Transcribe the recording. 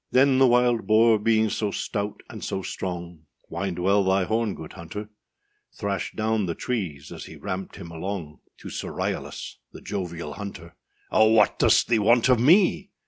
Then the wild boar, being so stout and so strong, Wind well thy horn, good hunter; Thrashed down the trees as he ramped him along, To Sir Ryalas, the jovial hunter. âOh, what dost thee want of me?